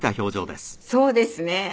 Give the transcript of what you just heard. そうですね。